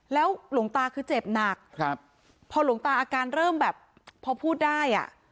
แล้วหลวงตาคือเจ็บหนักครับพอหลวงตาอาการเริ่มแบบพอพูดได้อ่ะ